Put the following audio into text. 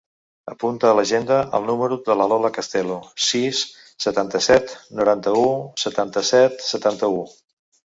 Apunta a l'agenda el número de la Lola Castelo: sis, setanta-set, noranta-u, setanta-set, setanta-u.